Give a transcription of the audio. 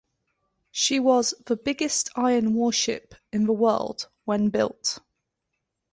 She was the biggest iron warship in the world when built.